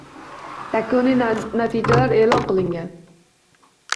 Yakuniy natijalar eʼlon qilingan